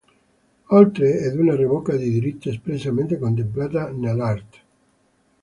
Oltre ad una revoca di diritto, espressamente contemplata nell’art.